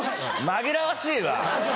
紛らわしいわ。